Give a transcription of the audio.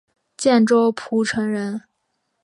建州浦城人。